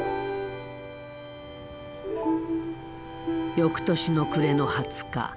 翌年の暮れの２０日。